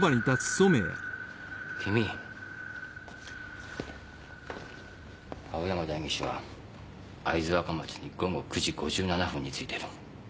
君青山代議士は会津若松に午後９時５７分に着いている。